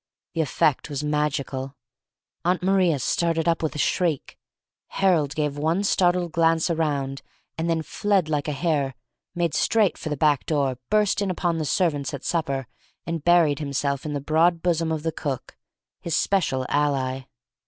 The effect was magical. Aunt Maria started up with a shriek. Harold gave one startled glance around, and then fled like a hare, made straight for the back door, burst in upon the servants at supper, and buried himself in the broad bosom of the cook, his special ally.